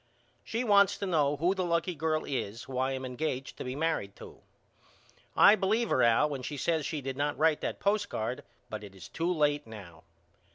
She wants to know who the lucky girl is who I am engaged to be married to. I believe her Al when she says she did not write that postcard but it is too late now.